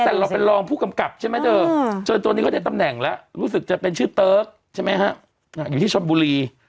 ตั้งแต่เราเป็นรองผู้กรรมกรรมใช่ไหมจะต้นก็ได้ตำแหน่งแล้วรู้สึกจะเป็นชื่อเติ๊กใช่ไหมอย่างที่ชมบุรี